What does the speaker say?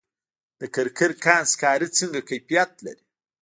د کرکر کان سکاره څنګه کیفیت لري؟